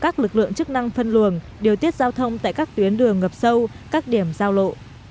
các lực lượng chức năng phân luồng điều tiết giao thông tại các tuyến đường ngập sâu các điểm giao lộ